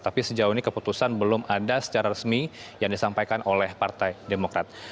tapi sejauh ini keputusan belum ada secara resmi yang disampaikan oleh partai demokrat